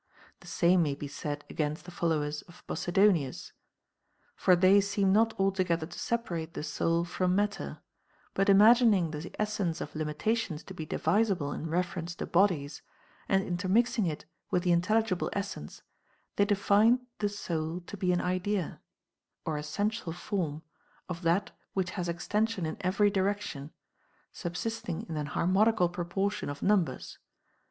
22. The same may be said against the followers of Posi donius. For they seem not altogether to separate the soul from matter ; but imagining the essence of limitations to be divisible in reference to bodies, and intermixing it with the intelligible essence, they defined the soul to be an idea OF THE PROCREATION OF THE SOUL. 351 (or essential form) of that which has extension in every direction, subsisting in an harmonical proportion of num bers.